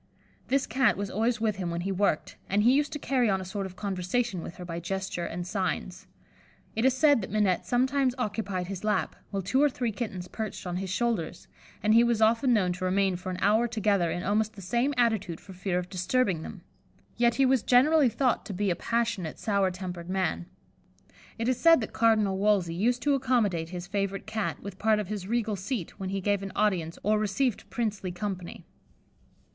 This Cat was always with him when he worked, and he used to carry on a sort of conversation with her by gesture and signs. It is said that Minette sometimes occupied his lap, while two or three kittens perched on his shoulders; and he was often known to remain for an hour together in almost the same attitude for fear of disturbing them; yet he was generally thought to be a passionate, sour tempered man. It is said that Cardinal Wolsey used to accommodate his favourite Cat with part of his regal seat when he gave an audience or received princely company.